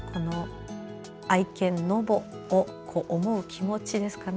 愛犬ノボを思う気持ちですかね。